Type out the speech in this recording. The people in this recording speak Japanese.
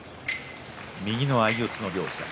右の相四つの両者